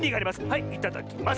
はいいただきます。